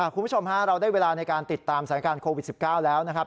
คุณผู้ชมฮะเราได้เวลาในการติดตามสถานการณ์โควิด๑๙แล้วนะครับ